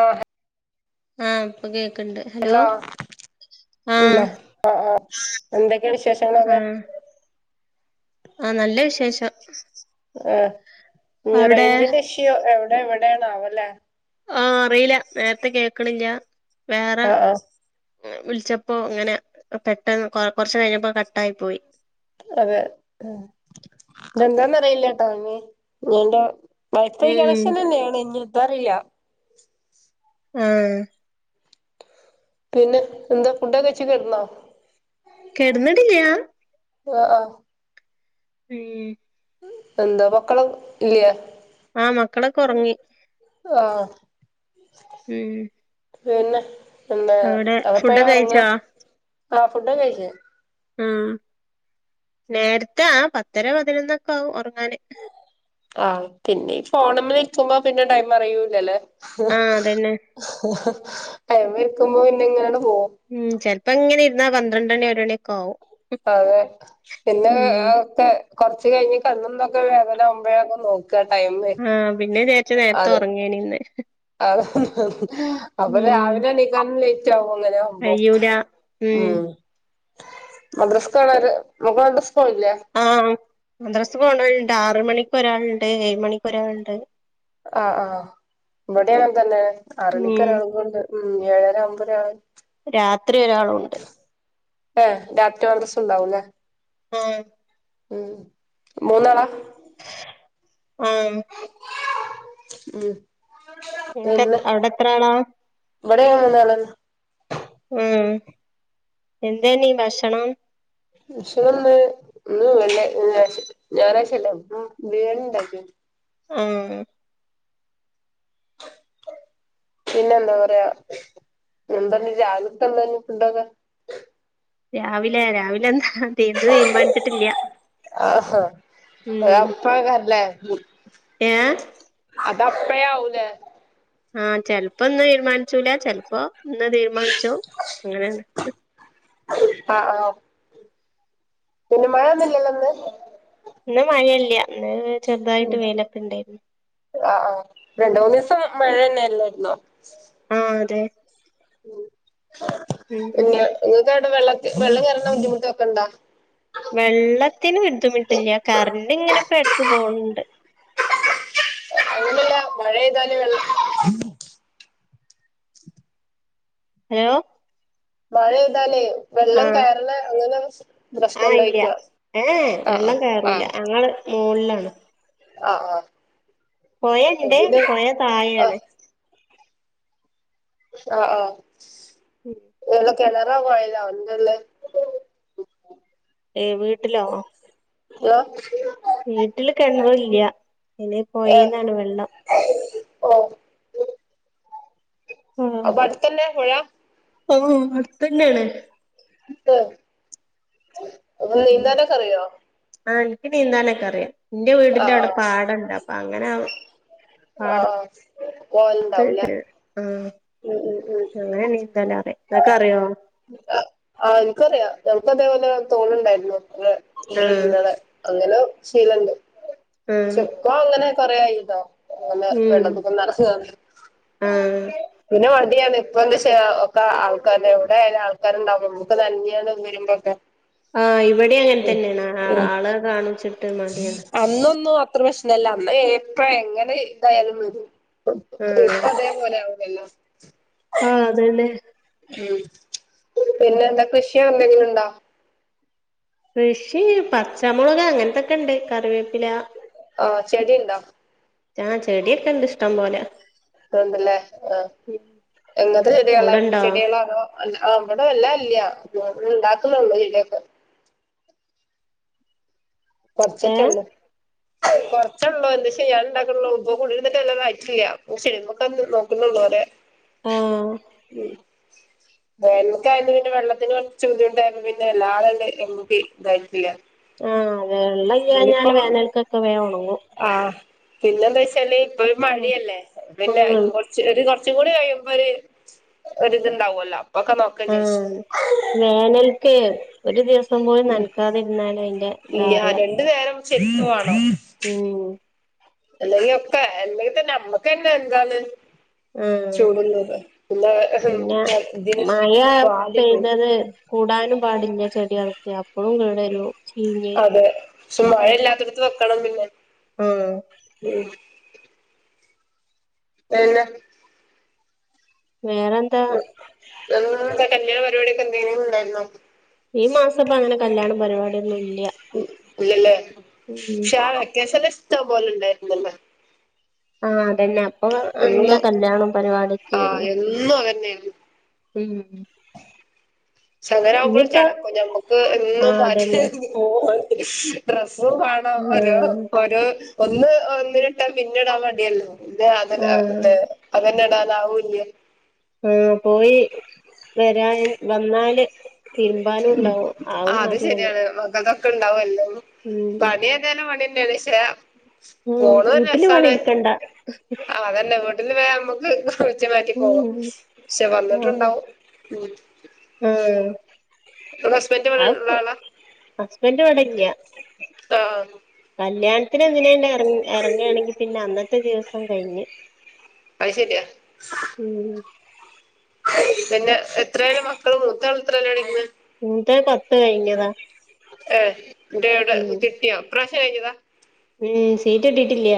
ആഹ് ആഹ് ഇപ്പം കേക്ക് ഇണ്ട്. ഹലേ ആഹ് ആഹ് എന്തൊക്കായാ വിശേഷങ്ങളേക്കെ ആഹ് ആഹ് നല്ലാ വിശേഷം. ആഹ് അവിടെ റേഞ്ചിന്റെ ഇഷൂ എവടെ എവടെയാണേ ആവല്ലേ ആഹ് അറിയില്ല നേരത്തെ കേക്കണില്ലാ വേറെ ആഹ് ആഹ് വിളിച്ചപ്പോ ഇങ്ങനെ പെട്ടെന്ന് കൊ കൊറച്ച് കയിഞ്ഞപ്പോ കട്ടായി പോയി അതെ ഇത് എന്താന്ന് അറിയില്ലട്ടോ ഇഞ് ഇഞ്ഞയ്ന്റെ വൈഫൈ ഉം കണക്ഷൻന്നെയാണ് ഇനി എന്താ അറിയില്ലാ ആഹ് പിന്നെ എന്താ ഫുഡൊകെയിച്ച് കെടന്നോ കെടന്ന്ടില്ല്യാ ആഹ് ആഹ് ഉം എന്താ മക്കള് ഇല്ല്യേ ആഹ് മക്കളൊക്കെ ഒറങ്ങി ആഹ് ഉം പിന്നെ എന്താ അവിടെ എപ്പഴ ഫുഡൊക്കെ ഉറങ്ങ കഴിച്ചോ ആഹ് ഫുഡൊക്കെ കഴിച്ച ഉം നേരത്തെ പത്തര പതിനൊന്നൊക്കെ ആവും ഉറങ്ങാന് ആഹ് പിന്നെ ഈ ഫോണമ്മ ഇരിക്കുമ്പോ പിന്നെ ടൈം അറിയൂല്ലല്ലേ ആഹ് അതന്നെ ആയ്മ്മ ഇരിക്കുമ്പോ പിന്നെ ഇങ്ങനെയട് പോകും ഉം ചെല്പ്പോ ഇങ്ങനെ ഇരുന്നാ പന്ത്രണ്ടണി ഒരു മണിയൊക്കെ ആവും അതെ പിന്നെ ഉം അതൊക്കെ കൊറച്ച കഴിഞ് കണ്ണ് തൊക്കെ വേദന ആകുമ്പോഴൊക്കെ നോക്ക ടൈമേ അതെ ങ്ങൻ ഇന്ന് അത അപ്പൊ രാവിലെ എണീക്കാനും ലേറ്റ് ആകും അങ്ങനൊ കഴിയൂല ഉം മദ്രസ് കാണര് നമക്ക് മദ്രസ് ക്ക് പോണില്ലേ ആഹ് മദ്രസ്ക്ക് പോണോലുണ്ട് ആറമണിക്ക് ഒരാളുണ്ട് ഏഴ് മണിക്ക് ഒരാളുണ്ട് ആഹ് ആഹ് ഇവടെ അങ്ങൻ തന്നെയാണ് ഉം ആറണിക്കരാളൊണ്ട് ഉം ഏഴര ആവുമ്പോ ഒരാള് രാത്രി ഒരാളുണ്ട് ഹ രാത്രി മദ്റസും ഉണ്ടാവുംല്ലേ ഉം ഉം മൂന്നാളാ ആഹ് ഉം നിങ്ങക്ക് അവിടെ എത്രാളാ ഇവടേം മൂന്നാൾ ഉം എന്തന്നീ ഭക്ഷണം ഭക്ഷണ ന്ന് ഉം വേള്ളി ഞായറാഴ്ചല്ലേ ഉം ബിരിയാണി ണ്ടാക്കേനു ഉം പിന്നെ എന്താ പറയാ എന്താണ് രാവിലത്തെ എന്താണ് ഫുടൊക്കെ രാവിലെ രാവിലെ എന്താ ഇന്ന് തീരുമാനിച്ചിട്ടില്ല ആഹ ഉം അപ്പയ്കാരല്ലേ ഏഹ് അത് അപ്പഴേ ആവൂലേ ആഹ് ചെൽപ്പോ ഇന്ന് തീരുമാനിച്ചൂല ചെലപ്പോ ഇന്ന് തീരുമാനിച്ചു അങ്ങനെയ ആഹ് ആഹ് പിന്നെ മഴ ഒന്നുല്ലല്ലോ ഇന്ന് ഇന്ന് മഴയില്ല ഇന്ന് ചെറുതായിട്ട് വേയി ലൊക്കെ ഉണ്ടായിരുന്നു ആഹ് ആഹ് രണ്ട് മൂന്ന് ദിവസം മഴ തന്നെയ അല്ലായിരുന്നോ ആഹ് അതെ ഉ ഉം പിന്നെ നിങ്ങൾക്ക് അവിടെ വെള്ള വെള്ളം കേറുന്ന ബുദ്ധിമുട്ടൊക്കെ ഉണ്ടാ വെള്ളത്തിന് ബുദ്ധിമുട്ടില്ല കറണ്ട് ഇങ്ങനെ ഇപ്പ എടക്ക് പോണ്ട് അതുകൊണ്ടെന്താ മഴപെയ്താലും വെള്ളത്തിന് ഹലോ മഴ പെയ്താലേ വെള്ളം ആഹ് കയറൽ അങ്ങനെ പ്രശ്നം ആഹ് ഇല്ല ഉണ്ടായിക്കാ ഏഹ ആഹ് വെള്ളം കയറൂല്ല ഞങ്ങൾ മോകളിലാണ് ആഹ്ആഹ് പൊയ ഇണ്ട് പൊയ താഴയാണ് ആഹ് ആഹ് ഉം ആഹ് കിണറാ കോയല എന്തല്ലേ ഏയ് വീട്ടിലോ ലോ വീട്ടില് കെണർ ഇല്ല ഇനി പൊയിന്നാണ് വെള്ളം ഓ അപ്പട്ത്തന്നെ പുഴ ഓഹ് അട്ത്തന്നേണ് അപ്പ നീന്താനൊക്കെ അറിയോ ആഹ് ഇൻക്ക് നീന്താനൊക്കെ അറിയാം ഇന്റെ വീടിന്റെ ആഹ് ഔടെ ആഹ് പാടെണ്ട് അപ്പ അങ്ങനെ പാടത്ത് ആഹ് പോവൽണ്ടാവൂലെ ആഹ് അങ്ങനെ നീന്തലറിയാം ഇങ്ങക്കറിയോ ആഹ് ഇൻക്കറിയാം ഞങ്ങക്ക് ഇതേപോലെ തോട്ണ്ടായിരുന്നു ഇന്റെ ആഹ് വീട്ടിന്റെ ഔടെ അങ്ങനെ ശീലണ്ട് ആഹ് ഇപ്പ അങ്ങനെ കൊറേ ആയിട്ടോ അങ്ങനെ ഉം വെള്ളത്ത്ക്കൊന്നും അറങ്ങാതെ ആഹ് പിന്നെ മടിയാണ്. ഇപ്പ എന്താചാ ഒക്കെ ആൾക്കാര് ഔടെയാലും ആൾക്കാര്ണ്ടാവും നമ്ക്ക് നഞ്ഞാണ്ട് വരുമ്പം ആഹ് ഇവിടിം അങ്ങൻ തന്നേണ് ആള് കാണുച്ചിട്ട് മടിയാണ് അന്നൊന്നു അത്ര പ്രശ്നല്ല അന്ന് എപ്പ എങ്ങനെ ഇതായാലും വരും ഉം പോലെആവൂലല്ലോ ആഹ് അതന്നെ ഉം പിന്നെ എന്താ കൃഷിയോ എന്തെങ്കിലും ഉണ്ടോ കൃഷി പച്ചമൊളക് അങ്ങൻത്തൊക്കെണ്ട് കറിവേപ്പില ആഹ് ചെടി ഉണ്ടോ ആഹ് ചെടിയൊക്കെണ്ട് ഇഷ്ടം പോലെ ക്ക്ണ്ട്ലേ ആഹ് എങ്ങൻത്തെ ചെടികളാ അവിടെണ്ടോ പൂച്ചെടികളാ അതോ അൽഅ ഇവിടെ വല്ലാ ഇല്ല്യ ഇണ്ടാക്ക്ന്നൊള്ളൂ ചെടിയൊക്കെ ഏഹ് കൊർച്ചിട്ട്ണ്ട് കൊറച്ചള്ളോ എന്താചെയ്യാന് ഇണ്ടാക്ക്ണൊള്ളു ഇപ്പ കുടിര്ന്ന്ട്ട് വല്ലാതെ ആയിട്ടില്ല ചെടിമ്മക്കൊന്നും നോക്ക്ന്നൊള്ളു അതെ ആഹ് ഉം വേനൽക്കായന്ന് പിന്നെ വെള്ളത്തിന് കൊർച്ച് ബുദ്ധിമുട്ടായിരുന്നു പിന്നെ വല്ലാതെങ്ങട്ട് അയിമ്മക്ക് ഇതായിട്ടില്ല ആഹ് അതെ വെള്ളല്ല്യാഞ്ഞാല് ഇനിയിപ്പം വേനൽക്കൊക്കെ വേം ഒണങ്ങും ആഹ് പിന്നെന്താച്ചാല് ഇപ്പഴ് മഴിയല്ലേ പിന്നെ ഇ ഉം ച്ച് ഒര് കൊർച്ചും കൂടി കഴിയുമ്പൊര് ഒര് ഇത്ണ്ടാവൊല്ലോ അപ്പൊക്കെ നോ ആന്ന് വേനൽക്ക് ഒരു ദിവസം പോലും നൽകാതിരുന്നാല് അയിന്റെ ഇയ്യാ ഇതറിയാ രണ്ട് നേരം ശെരിക്ക് വാണം ഉം അല്ലെങ്കി ഒക്കെ അല്ലെങ്കിതന്നെ അമ്മക്കന്നെ എന്താണ് ആഹ് ചൂടുള്ളത് പിന്ന പിന്നെ ഇതിന് മഴ പാല് പോയി പെയ്തത് കൂടാനും പാടില്ല്യ ചെടിയൾക്ക് അപ്പളും കേടരും ചീഞ്ഞ് അതെ പക്ഷെ മഴയില്ലാത്തോട്ത്ത് വെക്കണം പിന്നെ ഉം ഉം വെല്ല വേറെന്താ ഉം കട്ടൻ ചായ പരിപാടിക്ക് എന്തെങ്കിലും ഉണ്ടായിര്ന്നോ ഈ മാസപ്പൊ അങ്ങനെ കല്യാണ പരിപാടിയൊന്നുല്ല്യ ഇല്ലലേ പക്ഷെ ആ വെക്കേഷന് ഇഷ്ടപോലെണ്ടായിരന്നല്ലോ ആഹ് അതന്നെ അപ്പൊ നല്ല എന്നും കല്യാണം ആഹ് പരിപാടിയൊക്കൊയിരുന്നു എന്നും അതന്നെയായിരുന്നു ഉം പക്ഷെ അങ്ങനെ ആകുമ്പോളും ഇനിയിപ്പ ചടക്കും ഞമ്മക്ക് എന്നും ആഹ് മാറ്റി അതന്നെ ഒര്ങ്ങി പോവും മാണും ഡ്രസ്സും മാ ഓരോ ആഹ് ഓരോ ഒന്ന് ഒന്നിട്ടാ പിന്നെടാൻ മടിയല്ലേ ഇന്റെ അത ആഹ് അതേ അതന്ന ഇടാന് ആവൂല്ല്യ ആഹ് പോയി വെരാന് വന്നാല് തിര്മ്പാനുണ്ടാവും ആവും മടിയാണ് മക്കൾകൊക്കെ ഇണ്ടാവുല്ലോ ഉം പണി എന്നാണ് പണി എന്നെണ്ക്ഷേ ഉം വീട്ട്ല് പണി എടുക്കണ്ട ആഹ് അതന്നെ വീട്ടല് വേ അമ്മക്ക് റ്റ് മാറ്റിപോവാ ഉം ക്ഷെ വന്നിട്ടുണ്ടാവും ഉം ഉം ങ്ങളെ ഹസ്ബന്റ്വ്ടെ ഇള്ള ആളാ ഹസ്ബൻഡിവ്ടില്ല ആ കല്യാൺത്തിന് എന്തിനെന്നേ എർങ്ങി എർങ്ങാണെങ്കി പിന്നെ അന്നത്തെ ദിവസം കഴിഞ്ഞ് അയ് ശെരിയാ ഉം പിന്നെ എത്രേല് മക്കള് മൂത്താള് എത്രലാ പടിക്കുന്നേ മൂത്തത് പത്ത് കഴിഞ്ഞതാ ഏ ന്ന്ട്ട് എവിടെ ഉം കിട്ടിയോ ഈ പ്രാവശ്യം കഴിഞ്ഞതാ ഉം സീറ്റ് കിട്ടീട്ടില്ല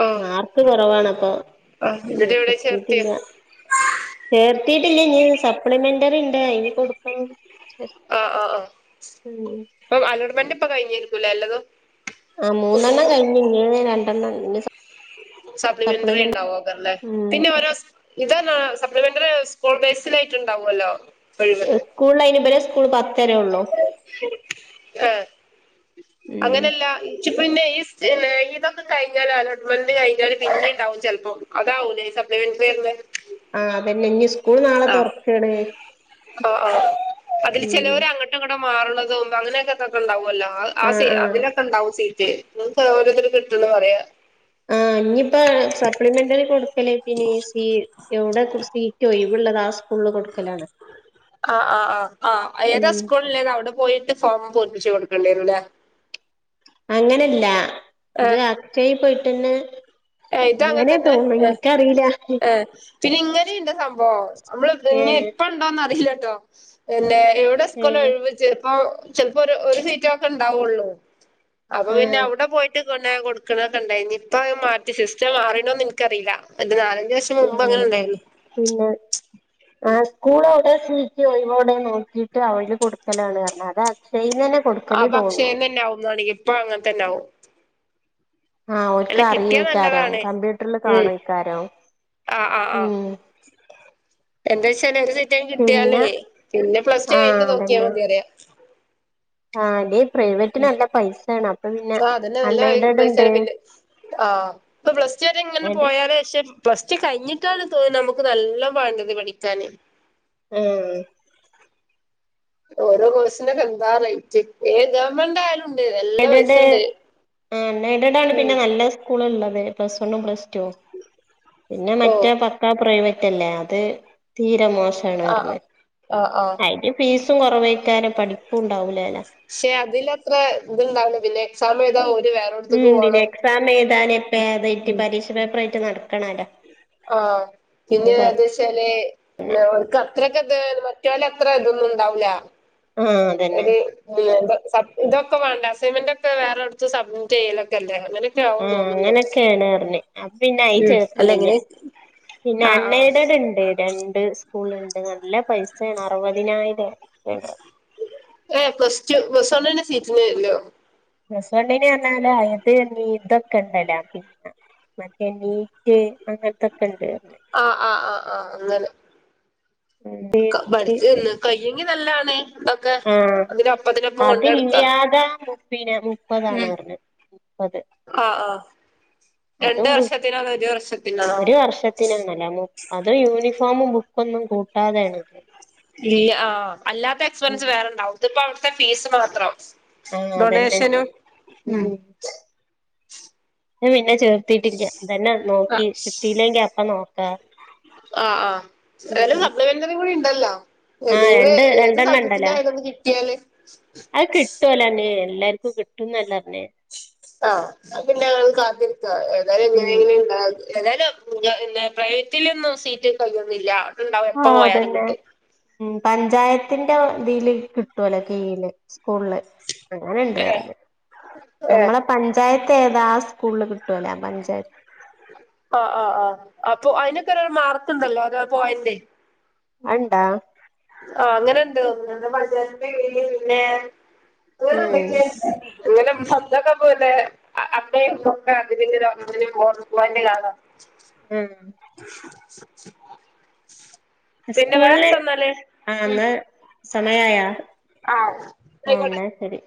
ആ മാർക്ക് കൊറവാണപ്പൊ ആ ഉം എന്നിട്ട് എവിടെ ചേർത്തിയോ കിട്ടീട്ടില്ല ചേർത്തീട്ടില്ല ഇനി സപ്ലിമെന്ററി ഇണ്ട് അയ്ന് കൊടുക്കണം ഉം പ്പം അലോർമെന്റിപ്പം കഴിഞ്ഞിര്ക്കു ലെ എല്ലതും ആഹ് മൂന്നെണ്ണം കഴിഞ് ഇനി രണ്ടെണ്ണ ഇനി സപ് സപ്ലിമെന്ററി ഉണ്ടാവോ ഓക്കർ ല്ലേ ഉം പിന്നെ ഓരോ സ് ഇതന്ന സപ്ലിമെന്ററി സ്കൂൾ ബേസിലായിട്ട്ണ്ടാവുല്ലോ ഒഴിവ് സ്കൂള് അയ്ന് ബരെ സ്കൂൾ പത്തരെ ഒള്ളു ഉം ആഹ് ഉം അങ്ങനല്ല ഇച്ച് പിന്നെ ഈ പിന്നെ ഇതൊക്കെ കഴിഞ്ഞാല് അലോട്ട്മെന്റ് കഴിഞ്ഞാല് പിന്നെ ഇണ്ടാവും ചെൽപ്പം അതാവൂല്ലേ ഈ സപ്ലിമെന്ററി റഞ്ഞെ ആഹ് അതന്നെ ഇനി സ്കൂൾ നാളെ തൊർക്കേണ് ഉം ക്കെ എങ്ങോട്ടോ മാറ്ണതും അങ്ങനെയൊക്കെക്കെക്കെ ഉണ്ടാവുല്ലോ ആ ആ സീ അതിലൊക്കെ ണ്ടാവും സീറ്റ് തും സൗകര്യത്തിന് കിട്ടുന്ന് പറയാ ആഹ് ഞ്ഞിപ്പോ സപ്ലിമെന്ററി കൊടുക്കലേ പിന്നീ സീ എവിടെ കൊ സീറ്റൊയിവിള്ളതാ സ്‌ ഫുള്ള് കൊടുക്കലാ ആഹ് ആഹ് ആഹ് ആഹ് ഏതാ ഉം സ്കൂൾലേത് അവിടെ പോയി ട്ട് ഫോം പൂരിപ്പിച്ച് കൊടുക്കണ്ടിരും ല്ലേ അങ്ങനല്ല ഇത് ഏഹ് അക്ഷയി പോയിട്ടന്നെ ഏഹ് അങ്ങനെയാ തോന്ന്ണെ എൻക്കറില്ല ആഹ് പിന്നെ ഇങ്ങനെണ്ട് സംഭവം അമ്മള് ഇനി ഏഹ് പ്പ ഉണ്ടോന്ന് അറീല്ലട്ടോ പിന്നെ ഏ ത് സ്ക്കൂൾലാ ഏഹ് ഒഴിവ് ചെൽപ്പോ ചെൽപ്പോ ഒരു ഒരു സീറ്റൊക്കെ ണ്ടാവുള്ളൂ അപ്പോ പിന്നെ ആഹ് അവ്ടെ പോയിട്ട് കൊ ന്നെ കൊടുക്കണൊക്കെണ്ടായിനി ഇപ്പൊ മാറ്റി സിസ്റ്റം മാറീണോന്ന് ഇൻ ക്ക‌റീല ഇത് നാലഞ്ചു വർഷം മുമ്പ് ഏഹ് അങ്ങനെ ണ്ടായിര്ന്ന് പിന്നെ ആഹ് സ്കൂൾ എവ്ടെ സീറ്റൊയിവ് ഓടെ നോക്കിട്ട് അവ്ടെ കൊടുക്കലാണ് ർഞ്ഞ് അതാ സെയിം തന്നെ കൊടുക്കല് തോന്നുണു പിന്നെ ആവുന്നതാണങ്കി ഇപ്പൊ അങ്ങൻ തന്നാവും ആഹ് ഓൽക്ക് കിട്ടിയാ അറിയേക്കാരം നല്ലതാണ് കമ്പ്യൂട്ടറില് ഉം കാണെയ്ക്കാരം ആഹ് ആഹ് ആഹ് എന്താച്ചാല് ഒരു സീറ്റെങ്കി കിട്ട്യാലേ പിന്നെ പിന്നെ പ്ലസ്ടു ആഹ് കയിഞ്ഞിട്ട് നോക്കിയാ അതന്നെ മതിയറയ ആഹ് അതെ പ്രൈവറ്റ്ന് നല്ല പൈസേണ് അപ്പൊ പിന്നെ ആഹ് അതന്നെ അൺ നല്ല എയ്ഡഡ് ഇണ്ട് പൈസയാണ് പിന്നെ ആഹ് ഇപ്പ പ്ലസ് ടു വരെ ഇങ്ങനെ പോയാലെ പക്ഷെ പ്ലസ്ടു കഴിഞ്ഞിട്ടാണ് തോന്നുന്ന് നമുക്ക് നല്ല പാേണ്ടത് പഠിക്കാന് ആഹ് ഓരോ കോഴ്സിനൊക്കെന്താ റേറ്റ് ഏ ഗവൺമെന്റായാ എയ്ഡഡ് ആ അൺ എയ്ഡടാണ് ഉം പിന്നെ നല്ല സ് കൂളൊള്ളത് പ്ലസ് വണ്ണും പ്ലസ് ടൂം പിന്നെ ഓ മറ്റേ പക്കാ പ്രൈവട് റ്റല്ലേ അത് തീരെ മോശാണ് ആഹ് റഞ്ഞ് ആഹ് ആഹ് ആഹ് അയിന് ഫീസും കുറവായ്ക്കാരം പഠിപ്പും ഉണ്ടാവൂലാല ക്ഷെ അതിലത്ര ഇതുണ്ടാവില്ല പിന്നെ എക്സാമെഴുതാ ഓര് വേറെ ഉം പിന്നെ എക്സാം എയ്താനെ പേതായിട്ട് പരീക്ഷ പേപ്പർ ആയിട്ട് നടക്കണാല്ലോ ആഹ് പിന്നെ അത് വച്ചാല് ഓര്ക്ക ത്രക്കത് മറ്റൊലത്ര ഇതൊന്നും ഇണ്ടാവൂല ആഹ് അതന്നെ ഒര് ഇതൊക്കെ വേണ്ടെ അസൈൻമെന്റൊക്കെ വേറെ അടുത്ത് സബ്മിറ്റ് ചെയ്യലൊക്കെല്ലേ അങ്ങനെ ആഹ് അങ്ങനെയൊക്കെയാണ് പറഞ്ഞ് അപ്പ പിന്നെ അയി ഉം ചേർ അല്ല ക്കണില്ല എങ്ങനെ പിന്നെ ആഹ് അൺ ആഹ് എയ്ഡഡ് ഇണ്ട് രണ്ട് സ് കൂളിണ്ട് നല്ല പൈസയാണ് അറുപതിനായിരം ഏഹ് പ്ലസ് ടു പ്ലസ്വണ്ണിൻ്റെ സീറ്റിന് ലോ പ്ലസ്വണ്ണിനറഞ്ഞാല് അയത് നീതൊക്കെ ഇണ്ടലോ പിന്ന മറ്റേ നീറ്റ് അങ്ങനത്തൊക്കെണ്ട് ആഹ് ആഹ് ആഹ് ആഹ് അങ്ങനെ ഡീ ബ ട് ജ്കയ്യെങ്കി നല്ലാണ് അതൊക്കെ ആഹ് ഇ തിന് ഒപ്പത്തിനൊപ്പം കൊണ്ട് നടക്കാ അതില്ലാതെ പിന്നെ മുപ്പതാണ് പറഞ്ഞത് മുപ്പത് ആഹ് ആഹ് രണ്ട് അതും വർഷത്തിനോ അതൊ ഒരു വർഷത്തിനൊ ത്തിനാലാണ് അതു യൂണിഫോമും ബുക്കൊന്നും കൂട്ടാതെയാണ് ഇല്ല ആഹ് അല്ലാത്ത എക്സ്പെൻസ് വേറെണ്ടാവുംതിപ്പോ അവിടുത്തെ ഫീസ് മാത്രം ആഹ് അതന്നെ ഡൊണേഷനും ഉം ഞാൻ പിന്നെ ചേർത്തിട്ടില്ല ഇതന്നെ ആ നോക്കി കിട്ടില്ലെങ്കി അപ്പ നോക്കാ ആഹ് ആഹ് ഉം [unintelligible] ലറിം കൂടിണ്ടല്ലോ ആഹ് [unintelligible] രണ്ട് ഏത് രണ്ടെണ്ണം സബ്ജെക്ടിന്റെ ഇണ്ടല്ലോ ആയാലും കിട്ടിയാല് അത് കിട്ടുലന്നേ എല്ലാർക്കും കിട്ടുംന്നല്ലർഞ്ഞെ ആഹ് ഞ്ഞപിന്നെ അത് കാത്തിരിക്ക ഏതായാലും എങ്ങനെ ഉം എങ്കിലും ഇട ഏതായാലും പ്രൈവറ്റിലൊന്നും സീറ്റ് കയ്യോന്നില്ല ആഹ് അതെന്നെ ഉം പഞ്ചായത്തിന്റെ ഇതില് കിട്ടുവല്ലോ കീ യില് സ്കൂളില് അങ്ങനെണ്ട് ഏഹ് അറഞ്ഞു ഏഹ് ഞമ്മളെ പഞ്ചായത്തെതാആ സ്കൂളില് കിട്ടുലേ ആ പഞ്ചായത്ത് ആഹ് ആഹ് ആ ഹ് അപ്പൊ അതിനൊക്കെ ഒരു മാർക്ക്ണ്ടല്ലോ അത പോയന്റെ അത് ണ്ടോ ആഹ് അങ്ങനെണ്ട്തോന്ണ് പഞ്ചായത്തിന്റെ കിഴിൽ പിന്നെ ഏ ഹ് ഇങ്ങനെ പന്ദോ ക്കെ പോലെ അഹ് അപ്പേ ന്നൊക്കെ അതിതിന്റെ [unintelligible] ഉം പിന്നെ സ്കൂളില് വേറെന്താന്നാല്? ആഹ് എന്നാ സമയ ആയോ ആഹ് ഓ ആയിക്കോട്ടെ എന്നാ ശരി